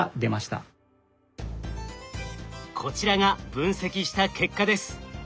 こちらが分析した結果です。